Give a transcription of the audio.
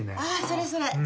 あそれそれ！